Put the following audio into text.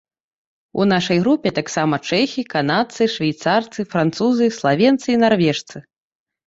У нашай групе таксама чэхі, канадцы, швейцарцы, французы, славенцы і нарвежцы.